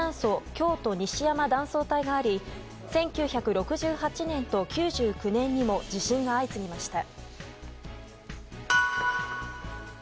京都西山断層帯があり１９６８年と９９年にも地震が相次ぎました。